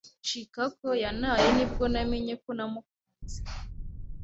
Chikako yantaye ni bwo namenye ko namukunze.